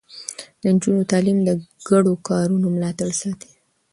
د نجونو تعليم د ګډو کارونو ملاتړ ساتي.